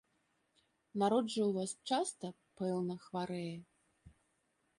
Народ жа ў вас часта, пэўна, хварэе?